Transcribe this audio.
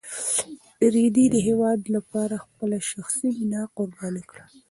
رېدي د هېواد لپاره خپله شخصي مینه قربان کړه.